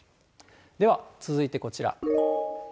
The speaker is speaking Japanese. では、続いてこちら。